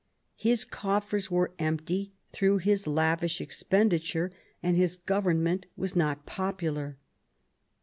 His coffers were empty through his lavish expenditure, and his Government was not popular.